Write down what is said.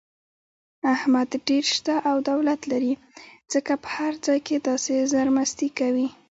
احمد ډېر شته او دولت لري، ځکه په هر ځای کې داسې زرمستي کوي.